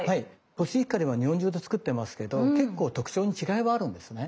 コシヒカリは日本中で作ってますけど結構特徴に違いはあるんですね。